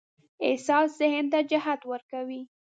احساس ذهن ته جهت ورکوي.